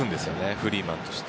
フリーマンとして。